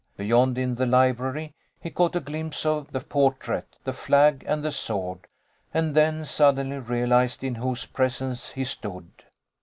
Beyond in the library he caught a glimpse of the portrait, the flag, and the sword, and then suddenly realised in whose presence he stood.